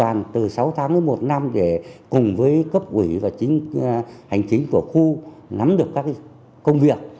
ông thực sự rất tâm đắc với những góp ý của mình với lực lượng công an